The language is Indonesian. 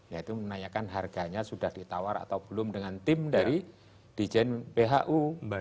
yaitu menanyakan harganya sudah ditawar atau belum dengan tim dari dijen phu